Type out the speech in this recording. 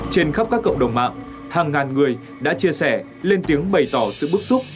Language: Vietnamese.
trên khắp các cộng đồng mạng hàng ngàn người đã chia sẻ lên tiếng bày tỏ sự bức xúc